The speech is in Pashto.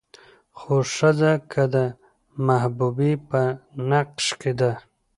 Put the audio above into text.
خو ښځه که د محبوبې په نقش کې ده